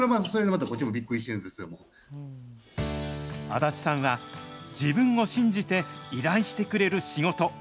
安達さんは、自分を信じて依頼してくれる仕事。